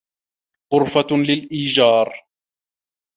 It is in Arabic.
غرفة للإيجار.